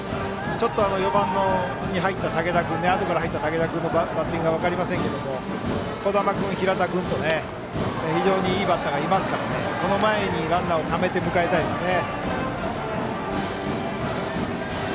４番にあとから入った竹田君のバッティングが分かりませんけども児玉君、平田君と非常にいいバッターがいますからこの前にランナーをためて迎えたいですね。